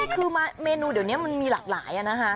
คือเมนูเดี๋ยวนี้มันมีหลากหลายนะคะ